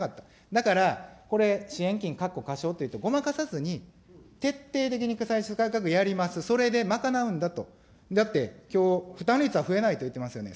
だから、これ、支援金、かっこ仮称といってごまかさずに、徹底的に歳出改革やります、それで賄うんだと、だって、きょう、負担率は増えないといってますよね。